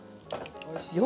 おいしいよ。